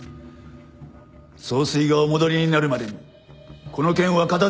総帥がお戻りになるまでにこの件は片付ける。